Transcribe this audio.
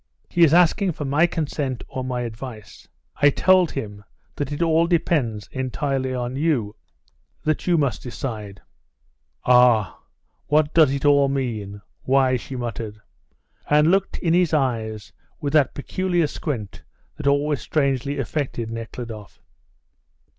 "He is asking for my consent or my advice. I told him that it all depends entirely on you that you must decide." "Ah, what does it all mean? Why?" she muttered, and looked in his eyes with that peculiar squint that always strangely affected Nekhludoff.